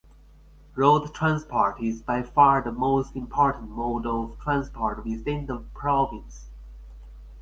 Road transport is by far the most important mode of transport within the province.